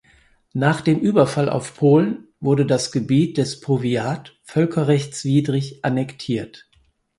Nach dem Überfall auf Polen wurde das Gebiet des Powiat völkerrechtswidrig annektiert.